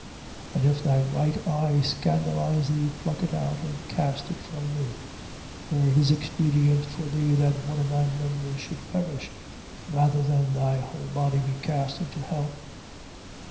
5:29. And if thy right eye scandalize thee, pluck it out and cast it from thee. For it is expedient for thee that one of thy members should perish, rather than thy whole body be cast into hell.